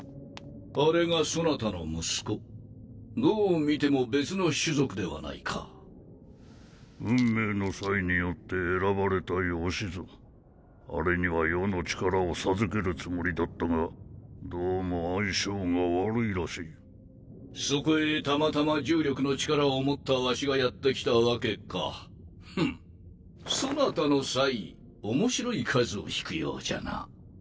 どう見ても別の種族ではないか運命のサイによって選ばれたあれには余の力を授けるつもりだったがどうも相性が悪いらしいそこへたまたま重力の力を持ったワシがやって来たわけかふむそなたのサイ面白い数を引くよ